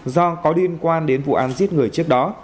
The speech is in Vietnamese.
do có liên quan đến vụ án giết người trước đó